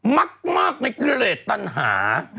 มักในเกร็ดตันหา